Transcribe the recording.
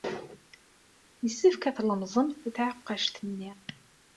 Yessefk ad tlemẓemt taɛeqqact-nni.